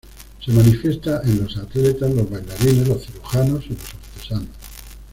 Se manifiesta en los atletas, los bailarines, los cirujanos y los artesanos.